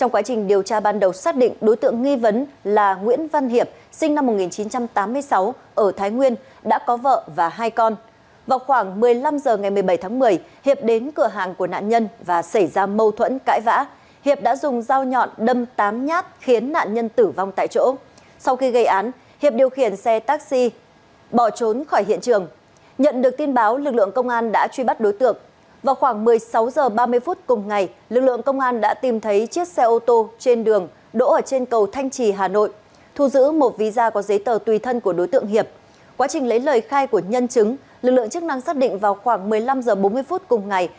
quá trình lấy lời khai của nhân chứng lực lượng chức năng xác định vào khoảng một mươi năm h bốn mươi cùng ngày